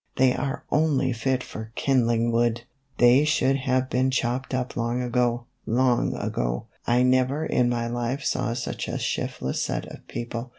" They are only fit for kindling wood ! They should have been chopped up long ago, long ago ! I never in my life saw such a shiftless set of people.